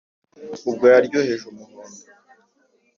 ubwo yaryoheje umuhondo,